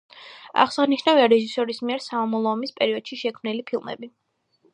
აღსანიშნავია რეჟისორის მიერ სამამულო ომის პერიოდში შექმნილი ფილმები.